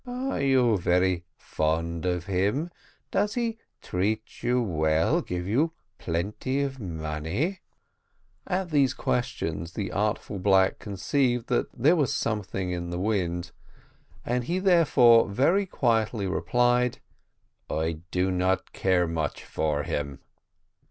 "Are you very fond of him? does he treat you well, give you plenty of money?" At these questions, the artful black conceived that there was something in the wind, and he therefore very quietly replied, "I do not care much for him."